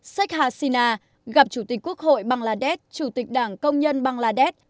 sheikh hasina gặp chủ tịch quốc hội bangladesh chủ tịch đảng công nhân bangladesh